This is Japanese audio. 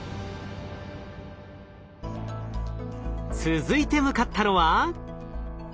続いて向かったのは。